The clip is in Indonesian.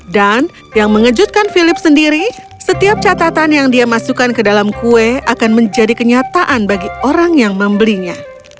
dan yang mengejutkan philip sendiri setiap catatan yang dia masukkan ke dalam kue akan menjadi kenyataan bagi orang yang membelinya